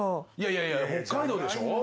いやいや北海道でしょ？